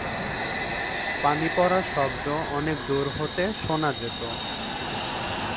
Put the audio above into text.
পানি পড়ার শব্দ অনেক দূর হতে শোনা যেত।